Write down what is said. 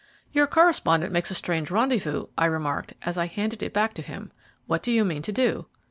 "Your correspondent makes a strange rendezvous," I remarked, as I handed it back to him. "What do you mean to do?"